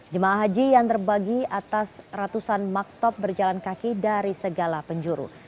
jemaah haji yang terbagi atas ratusan maktop berjalan kaki dari segala penjuru